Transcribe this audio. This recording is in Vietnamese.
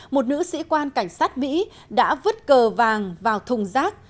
một nữ sĩ quan cảnh sát mỹ đã vứt cờ vàng vào thùng rác